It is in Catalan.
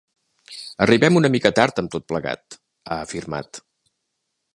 Arribem una mica tard amb tot plegat, ha afirmat.